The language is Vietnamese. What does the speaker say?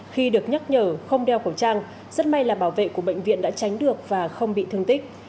khi được nhắc nhở không đeo khẩu trang rất may là bảo vệ của bệnh viện đã tránh được và không bị thương tích